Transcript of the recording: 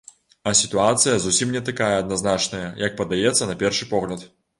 А сітуацыя зусім не такая адназначная, як падаецца на першы погляд.